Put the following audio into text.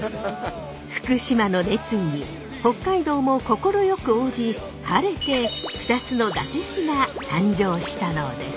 福島の熱意に北海道も快く応じ晴れて２つの伊達市が誕生したのです！